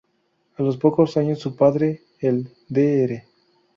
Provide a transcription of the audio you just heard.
A los pocos años su padre, el Dr.